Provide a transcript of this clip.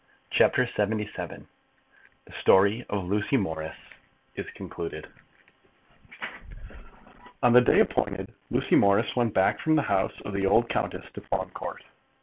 CHAPTER LXXVII The Story of Lucy Morris Is Concluded On the day appointed, Lucy Morris went back from the house of the old countess to Fawn Court.